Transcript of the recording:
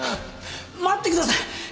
待ってください！